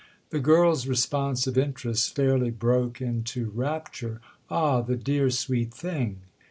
The girl's responsive interest fairly broke into rapture. "Ah, the dear sweet thing!"